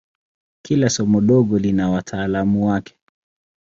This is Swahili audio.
Kila somo dogo lina wataalamu wake.